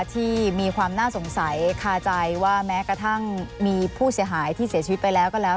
ที่มีความน่าสงสัยคาใจว่าแม้กระทั่งมีผู้เสียหายที่เสียชีวิตไปแล้วก็แล้ว